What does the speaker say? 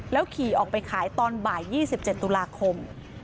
ขี่ออกไปขายตอนบ่าย๒๗ตุลาคม